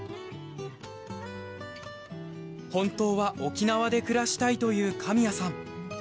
本当は沖縄で暮らしたいという神谷さん。